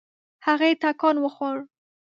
هغې ټکان وخوړ.